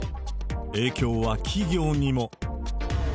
影響は企業にも。